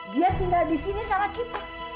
dia tinggal disini sama kita